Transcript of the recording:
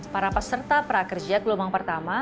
para peserta prakerja gelombang pertama